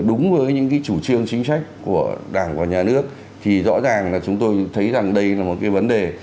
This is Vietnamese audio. đúng với những cái chủ trương chính sách của đảng và nhà nước thì rõ ràng là chúng tôi thấy rằng đây là một cái vấn đề